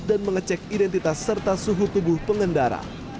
dan mengecek identitas serta suhu tubuh pengendara